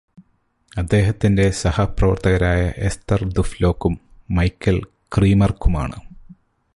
അദ്ദേഹത്തിന്റെ സഹപ്രവർത്തകരായ എസ്തർ ദുഫ്ലോക്കും മൈക്കൽ ക്രീമർക്കുമാണ്.